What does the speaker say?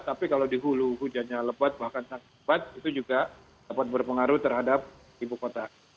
tapi kalau di hulu hujannya lebat bahkan sangat lebat itu juga dapat berpengaruh terhadap ibu kota